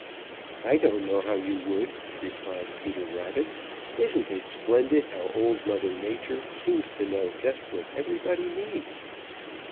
"I don't know how you would," replied Peter Rabbit. "Isn't it splendid how Old Mother Nature seems to know just what everybody needs?"